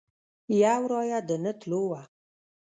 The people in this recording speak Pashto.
یو رایه د نه تلو وه.